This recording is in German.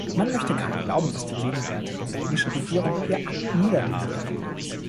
Man möchte kaum glauben, dass die gegenwärtige belgische Regierung ihr Amt niederlegen wird.